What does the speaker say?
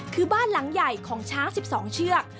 คือบ้านหลังใหญ่ของช้าง๑๒เชือก